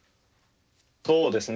そうですね。